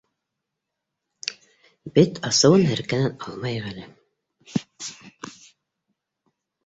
Бет асыуын һеркәнән алмайыҡ әле!